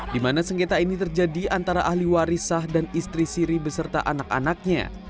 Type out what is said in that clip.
di mana sengketa ini terjadi antara ahli waris sah dan istri siri beserta anak anaknya